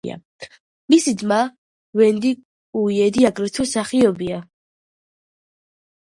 მისი ძმა, რენდი კუეიდი აგრეთვე მსახიობია.